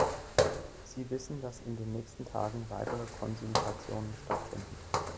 Sie wissen, dass in den nächsten Tagen weitere Konsultationen stattfinden.